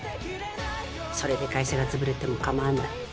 それで会社が潰れてもかまわない。